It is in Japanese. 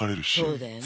そうだよね。